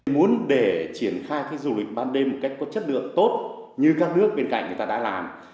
muốn để triển khai cái du lịch ban đêm một cách có chất lượng tốt như các nước bên cạnh người ta đã làm